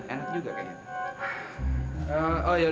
enak juga kayaknya